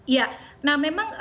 ya nah memang